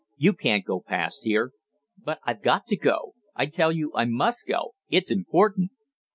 You can't go past here!" "But I've got to go! I tell you I must go! It's important!"